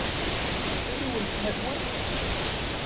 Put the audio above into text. Tessulli weltma-twent?